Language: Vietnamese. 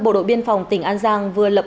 bộ đội biên phòng tỉnh an giang vừa lập